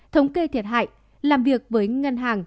thống kê thiệt hại làm việc với ngân hàng